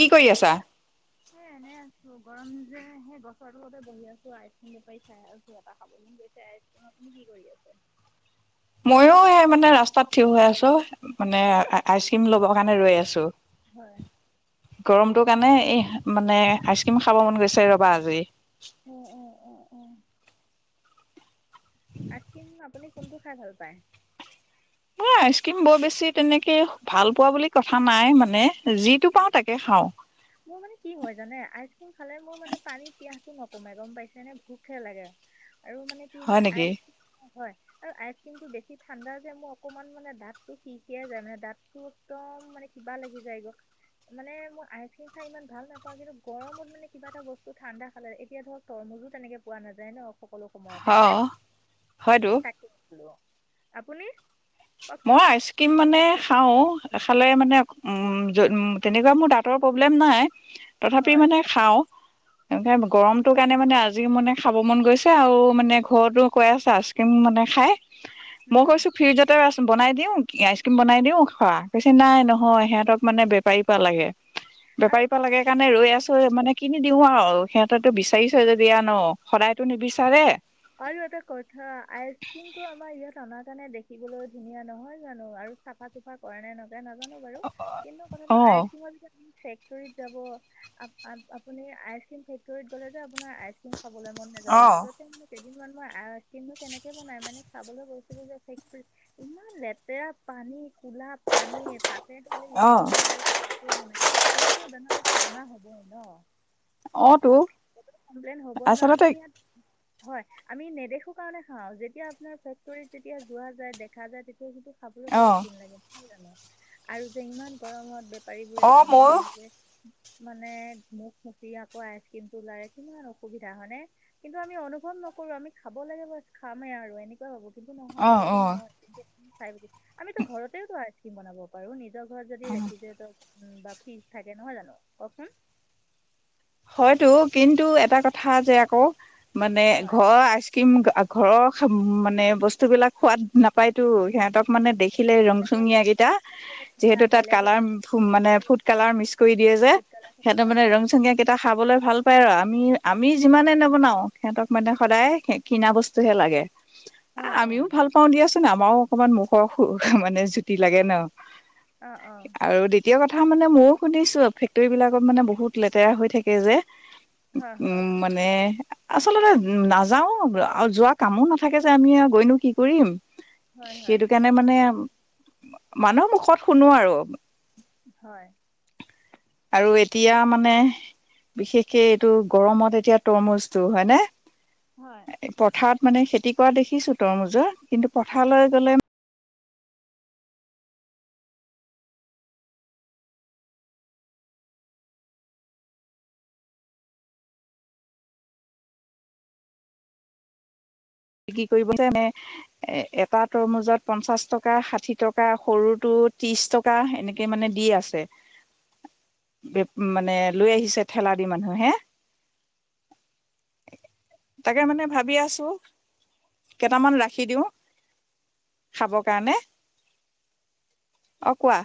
কি কৰি আছা? সেই এনে আছোঁ, গৰম যে সেই গছৰ তলতে বহি আছোঁ, আইচক্ৰীম নেপাৰ খাই আছোঁ। এটা খাব মন গৈছে আইচক্ৰীম। আপুনি কি কৰি আছে? মইও এই মানে ৰাস্তাত থিয় হৈ আছোঁ, মানে আইচক্ৰীম ল'বৰ কাৰণে ৰৈ আছোঁ। হয়। গৰমটোৰ কাৰণে এই মানে আইচক্ৰীম খাব মন গৈছে ৰ'বা আজি। উম। আইচক্ৰিম আপুনি কোনটো খাই ভাল পায়? মই আইচক্ৰীম বৰ বেছি তেনেকে ভাল পোৱা বুলি কথা নাই মানে, যিটো পাওঁ তাকে খাওঁ। মোৰ মানে কি হয় জানে আইচক্ৰীম খালে মোৰ মানে পানী পিয়াহটো নকমে গম পাইছে নে? ভোকহে লাগে। আৰু মানে কি হয় আইচ, হয়। আৰু আইচক্ৰীমটো বেছি ঠাণ্ডা যে মোৰ অকনমান মানে দাঁতটো শিকে যায় মানে দাঁত। একদম মানে কিবা লাগি যায়গৈ মানে মোৰ আই খাই ইমান ভাল নাপাওঁ কিন্তু গৰত মানে কিবা এটা বস্তু ঠাণ্ডা খালে, এতিয়া ধৰক তৰমজু তেনেকে পোৱা নাযায় ন'। সকলো সময়তে অ হয়নে? হয়তো। তাকে আছিলোঁ, আপুনি? মই কওকচোন আইছ কিম মানে খাওঁ খালে মানে তেনেকুৱা মোৰ দাঁতৰ প্ৰব্লেম নাই। তথাপি হয় মানে খাওঁ। এনেকে গৰমটোৰ কাৰণে মানে আজি মানে খাব মন গৈছে আৰু মানে ঘৰতো কৈ আছে আইচক্ৰীম মানে খাই। মই উম। কৈছোঁ ফিউজত তৰ আইচক্ৰিম বনাই দিওঁ, কি আইচক্ৰীম বনাই দিও খোৱা, কৈছে নাই নহয় সিহঁতক মানে বেপাৰীৰপা লাগে। আৰু বেপাৰীৰপা লাগে কাৰণে ৰৈ আছোঁ। মানে কিনি দিও আৰু সিহঁতে তটো বিচাৰিছে যদি এয়া ন' সদায়তো নিবিচাৰে আৰু এটা কথা আইচক্ৰিমটো আমাৰ ইয়াত অনাৰ কাৰণে দেখিবলৈ ধুনীয়া নহয় জানো আৰু চাফা চুফা কৰেনে নকৰে নাজানো বাৰু কিন্তু অ কথাটো আইচক্ৰীমৰ যাতে চে ফেক্টৰীত যাব, আপুনি আইচক্ৰীম ফেক্টৰীত গ'লে যে আপোনাৰ আইচক্ৰীম খাবলৈ মন মাজতে ম কেইদিনমান মই আইচক্ৰীম তেনেকে বনাই মানে চাবলৈ গৈছিলো যে ফেক ইমান লেতেৰা পানী, ক'লা পানী তাতে খালি লং অ দিয়ে আৰু তেনেকৈ মানে তেনেকে বনালে বেমাৰ হ'বই ন'। অ তো কমপ্লেইন হ'বই ন' আমি আচলতে ইয়াত হয় আমি নেদেখো কাৰণে খাওঁ, যেতিয়া আপোনাৰ ফেক্টৰীত যেতিয়া যোৱা যায়, দেখা যায় তেতিয়া সেইটো খাবলৈ অ বহুত ঘিণ লাগে, সেই জানো আৰু যে ইমান গৰমত বে পাৰীবোৰে অ ঘামি ময়ো ঘামি যে মানে মুখ মুচি আকৌ আইচক্ৰীম টো ওলাৰে কিমান অসুবিধা হয় নে কিন্তু আমি অনুভৱ নকৰো আমি খাব লাগে বা খামেই আৰু এনেকুৱা ভাবো কিন্তটো অ নহয় অ সেইটো নহয় চাই আমিতো ঘৰতেতো আছো বনাব পাৰো নিজৰ ঘৰত যদি ৰেফিজৰেট বা ফ্ৰিজ থাকে নহয় জানো কওকচোন হয়তটো কিন্তু এটা কথা যে আকৌ মানে হয়, ঘৰ আইচ কিম ঘৰৰ মানে বস্তুবিলাক খোৱাদ নাপায়তো সিহঁতক মানে দেখিলে বেলেগক ৰংচুঙীয়াাকেইটা দিয়া, যিহেতু তাত বেলেগে কালাৰ মানে ফুড কালাৰ মিক্স কৰি দিয়ে যে ফুড কালাৰ সিহঁতে মে থাকে ন? ৰং চীয়া এটা খাবলৈ ভাল পায় আৰু আমি আমি যিমানে নবনাওঁ সিহঁতক মানে সদায় কিনা বস্তুহে লাগে অ', [inaudible] আমিও অ'। ভাল পাও দিয়াচোন আমাৰো অকমান মুখৰ সুখ মানে জুতি লাগে ন অ', অ', আৰু দ্বিতীয় কথা মানে ময়ও শুনিছো ফেক্টৰী বিলাকত মানে বহুত লেতেৰা হৈ থাকে থাকে যে হয়, হয়, উম মানে আচলতে নাযাও আৰু যোৱা কামো নাথাকে যে আমি গৈনো কি কৰিম হয়, হয়, সেইটো কাৰণে মানে মানুহৰ মুখত শুনো আৰু হয় আৰু এতিয়া মানে বিশেষকে এইটো গৰমত এতিয়া তৰমুজটো হয়নে হয় পথাৰত মানে খেতি কৰা দেখিছো তোৰমুজৰ কিন্তু পথাৰলৈ গ'লে কি কৰিব যে এনেে এ এটা তৰমুজত পঞ্চাশ টকা ষাঠি টকা সৰুটো ত্ৰিশ টকা টকা এনেকে মানে দি আছে মানে লৈ আহিছে ঠেলা দি মানুহে হে তাকে মানে ভাবি আছো কেইটামান ৰাখি দিওঁ খাবৰ কাৰণে অঁ কোৱা